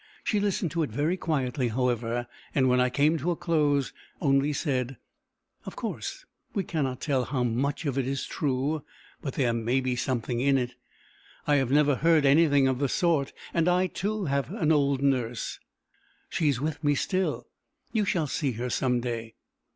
She listened to it very quietly, however, and when I came to a close, only said: "Of course, we cannot tell how much of it is true, but there may be something in it. I have never heard anything of the sort, and I, too, have an old nurse. She is with me still. You shall see her some day."